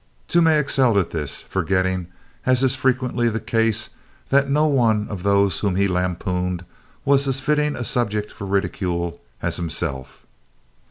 Toomey excelled at this, forgetting, as is frequently the case, that no one of those whom he lampooned was as fitting a subject for ridicule as himself.